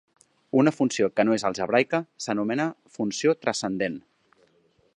Una funció que no és algebraica s'anomena funció transcendent.